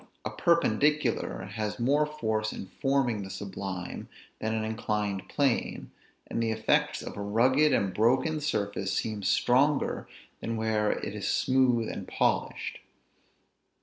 A perpendicular has more force in forming the sublime, than an inclined plane, and the effects of a rugged and broken surface seem stronger than where it is smooth and polished.